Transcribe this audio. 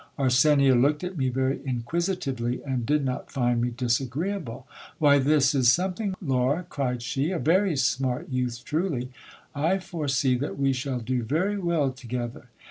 Arsenia looked at me very inquisitively, and did not find me disagreeable. Why, this is something, Laura, cried she ; a very smart youth truly : I foresee that we shall do very well together.